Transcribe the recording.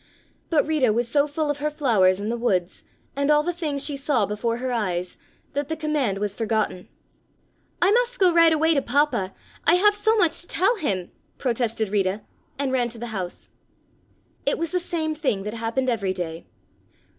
But Rita was so full of her flowers and the woods, and all the things she saw before her eyes, that the command was forgotten. "I must go right away to Papa. I have so much to tell him!" protested Rita, and ran to the house. It was the same thing that happened every day.